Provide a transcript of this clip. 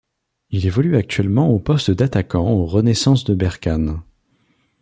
Il évolue actuellement au poste d'attaquant au Renaissance de Berkane.